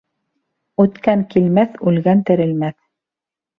Үткән килмәҫ, үлгән терелмәҫ.